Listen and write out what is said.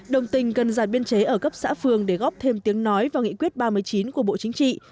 đồng tình cần giản biên chế ở cấp xã phường để góp thêm tiếng nói vào nghị quyết ba mươi chín của bộ chính trị